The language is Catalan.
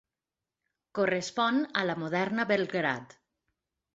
Correspon a la moderna Belgrad.